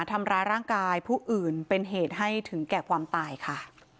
ทำร้ายร่างกายผู้อื่นเป็นเหตุให้ถึงแก่ความตายค่ะ